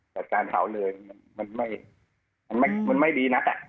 จัดการเผาเลยมันไม่มันไม่ดีนะค่ะ